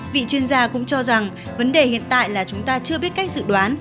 vị chuyên gia cũng cho rằng vấn đề hiện tại là chúng ta chưa biết cách dự đoán